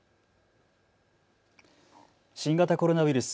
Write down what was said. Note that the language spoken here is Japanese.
新型コロナウイルス。